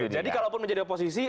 jadi kalau pun menjadi oposisi